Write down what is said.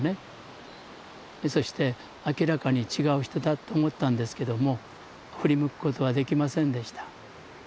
そして明らかに違う人だと思ったんですけども振り向くことはできませんでした。